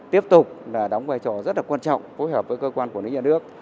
tiếp tục đóng vai trò rất là quan trọng phối hợp với cơ quan của những nhà nước